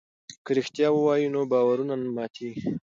که رښتیا ووایو نو باور نه ماتیږي.